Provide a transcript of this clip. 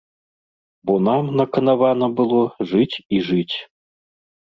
Бо нам наканавана было жыць і жыць.